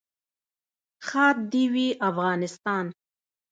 ښاد دې وي افغانستان.